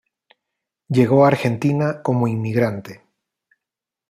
Llegó a Argentina como inmigrante.